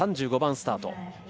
３５番スタート。